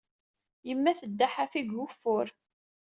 Yemma tedda ḥafi deg ugeffur.